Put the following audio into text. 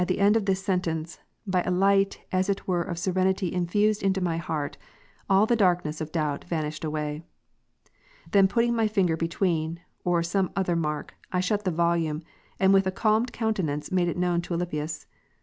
•^"^' the end of this sentence, by a light as it were of serenity infused into my heart, all the darkness of doubt vanished away. 30. Then putting my finger betAveen, or some other mai'k, I shut the volume, and with a calmed countenance made it known to Alypius.